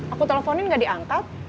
aku telfonin gak diangkat